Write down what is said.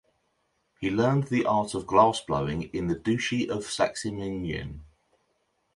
He learned the art of glassblowing in the duchy of Saxe-Meiningen...